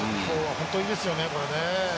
本当にいいですよね、これね。